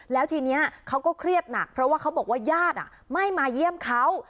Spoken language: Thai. แล้วทีนี้เขาก็เครียดหนักเพราะว่าเขาบอกว่าญาติไม่มาเยี่ยมเขา